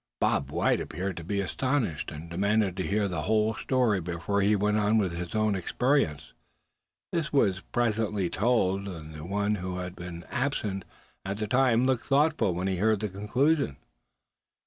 Bob White appeared to be astonished, and demanded to hear the whole story before he went on with his own experiences. This was presently told, and the one who had been absent at the time looked thoughtful when he heard the conclusion.